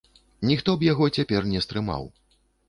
Ніхто б яго цяпер не стрымаў.